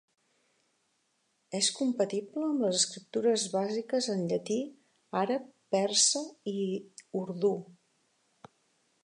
És compatible amb les escriptures bàsiques en llatí, àrab, persa i urdú.